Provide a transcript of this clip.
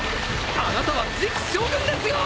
あなたは次期将軍ですよ！